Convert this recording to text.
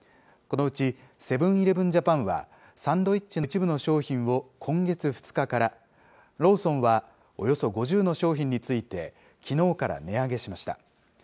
このうち、セブン−イレブン・ジャパンは、サンドイッチの一部の商品を今月２日から、ローソンはおよそ５０の商品について、きのうから値上げしました。